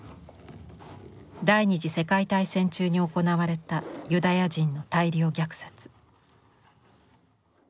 第２次大戦中に行われたユダヤ人の大量虐殺。